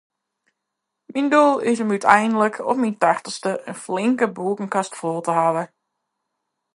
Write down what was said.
Myn doel is om úteinlik, op myn tachtichste, in flinke boekekast fol te hawwen.